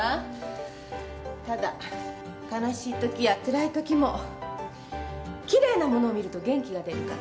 ただ悲しいときやつらいときも奇麗なものを見ると元気が出るから。